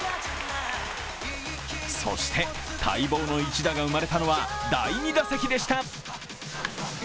そして待望の一打が生まれたのは第２打席でした。